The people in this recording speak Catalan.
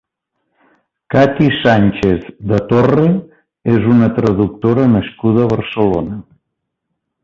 Katy Sánchez de Torre és una traductora nascuda a Barcelona.